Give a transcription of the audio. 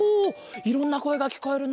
いろんなこえがきこえるな。